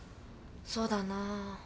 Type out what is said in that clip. そうだな。